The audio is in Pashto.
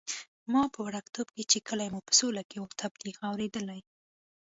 ما په وړکتوب کې چې کلی مو په سوله کې وو، تبلیغ اورېدلی.